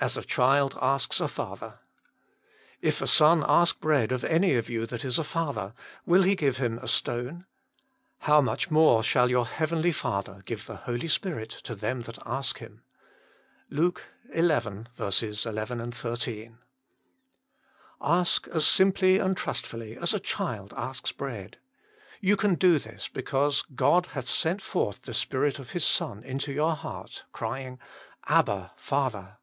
JU a CIjtia asks a SFatljer "If a son ask bread of any of you that is a father, will he give him a stone f How much more shall your Heavenly Father give the Holy Spirit to them that ask Him?" LUKE xi. 11, 13. Ask as simply and trustfully as a child asks bread. You can do this because "God hath sent forth the Spirit of His Sou into your heart, crying, Abba, Father."